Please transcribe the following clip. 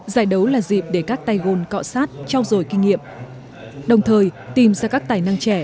giải đấu là dịp để các tay gôn cọ sát trao dồi kinh nghiệm đồng thời tìm ra các tài năng trẻ